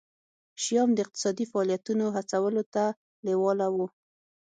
شیام د اقتصادي فعالیتونو هڅولو ته لېواله وو.